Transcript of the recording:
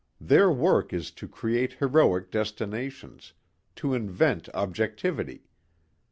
Their work is to create heroic destinations, to invent objectivity.